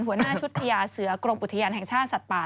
หัวหน้าชุดพญาเสือกรมอุทยานแห่งชาติสัตว์ป่า